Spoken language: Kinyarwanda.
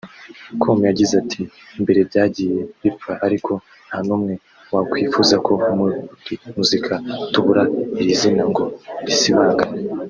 com yagize ati ”Mbere byagiye bipfa ariko nta numwe wakwifuza ko muri muzika tubura iri zina ngo risibangane